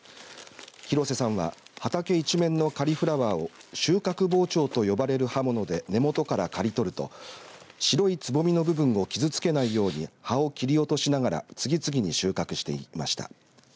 広瀬さんは畑一面のカリフラワーを収穫包丁と呼ばれる刃物で根元から刈り取ると白いつぼみの部分を傷つけないように葉を切り落としながら次々に収穫していました。